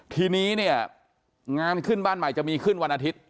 ทีนี้เนี่ยงานขึ้นบ้านใหม่จะมีขึ้นวันอาทิตย์